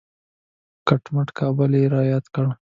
کټ مټ کابل یې را یاد کړ.